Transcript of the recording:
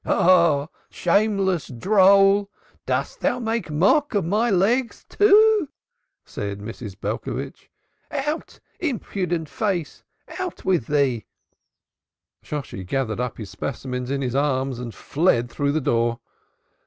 "Ah! Shameless droll! dost thou make mock of my legs, too?" said Mrs. Belcovitch. "Out, impudent face, out with thee!" Shosshi gathered up his specimens in his arms and fled through the door.